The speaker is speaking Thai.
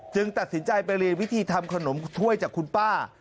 ตัดสินใจไปเรียนวิธีทำขนมถ้วยจากคุณป้า